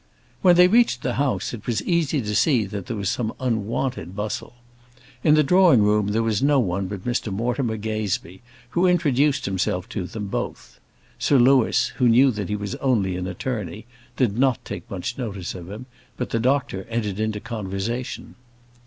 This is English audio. When they reached the house, it was easy to see that there was some unwonted bustle. In the drawing room there was no one but Mr Mortimer Gazebee, who introduced himself to them both. Sir Louis, who knew that he was only an attorney, did not take much notice of him, but the doctor entered into conversation.